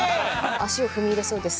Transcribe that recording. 足を踏み入れそうです